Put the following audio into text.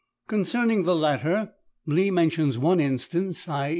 Concerning the latter, Lee mentions one instance, _i.